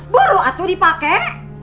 buru atuh dipakai